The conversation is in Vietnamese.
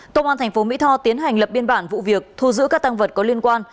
công an thành phố mỹ tho tiến hành lập biên bản vụ việc thu giữ các tăng vật có liên quan